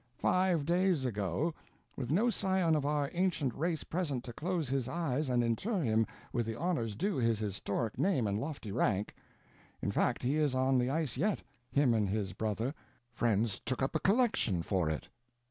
five days ago, with no scion of our ancient race present to close his eyes and inter him with the honors due his historic name and lofty rank—in fact, he is on the ice yet, him and his brother—friends took up a collection for it.